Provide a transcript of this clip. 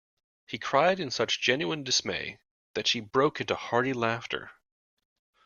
He cried in such genuine dismay that she broke into hearty laughter.